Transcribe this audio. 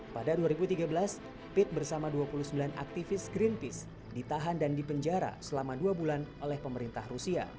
pada dua ribu tiga belas pit bersama dua puluh sembilan aktivis greenpeace ditahan dan dipenjara selama dua bulan oleh pemerintah rusia